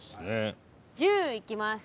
１０いきます。